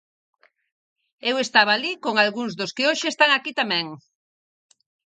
Eu estaba alí con algúns dos que hoxe están aquí tamén.